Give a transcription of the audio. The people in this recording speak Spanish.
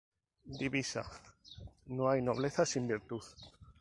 Divisa: "No hay nobleza sin virtud".